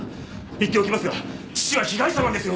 言っておきますが父は被害者なんですよ！